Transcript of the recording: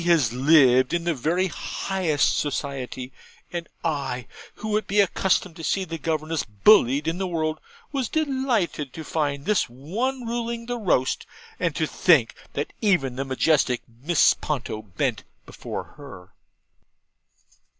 'Has lived in the very highest society:' and I, who have been accustomed to see governesses bullied in the world, was delighted to find this one ruling the roast, and to think that even the majestic Mrs. Ponto bent before her.